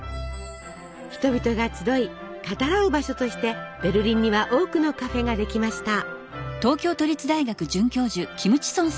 人々が集い語らう場所としてベルリンには多くのカフェができました。